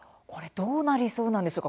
どうなりそうなんでしょうか。